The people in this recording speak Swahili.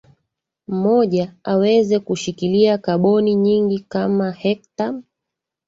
mmoja aweze kushikilia kaboni nyingi kama hekta